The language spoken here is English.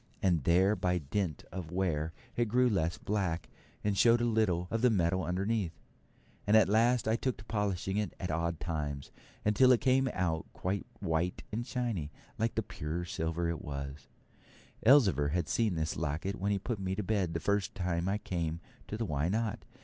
And there by dint of wear it grew less black, and showed a little of the metal underneath, and at last I took to polishing it at odd times, until it came out quite white and shiny, like the pure silver that it was. Elzevir had seen this locket when he put me to bed the first time I came to the Why Not?